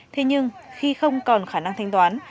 thế nhưng khi không còn khả năng thanh toán